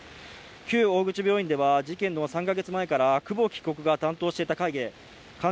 旧大口病院では事件の３か月前から久保木被告が担当してた当時患者